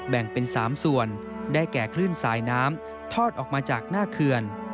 แบ่งเป็น๓ส่วนได้แก่คลื่นสายน้ำทอดออกมาจากหน้าเขื่อน